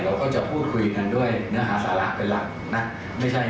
เราก็จะพูดคุยกันด้วยเนื้อหาสาระเป็นหลักนะ